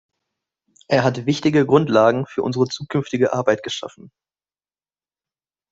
Er hat wichtige Grundlagen für unsere zukünftige Arbeit geschaffen.